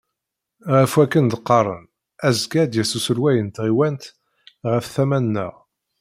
Ɣef wakk-n d-qqaren, azekka ad d-yas uselway n tɣiwant ɣer tama-nneɣ.